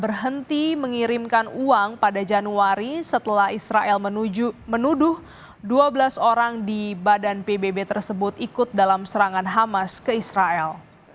berhenti mengirimkan uang pada januari setelah israel menuduh dua belas orang di badan pbb tersebut ikut dalam serangan hamas ke israel